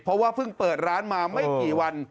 เพราะว่าเพิ่งเปิดร้านมาไม่กี่วัน